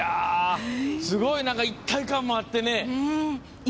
すごい、一体感もあって。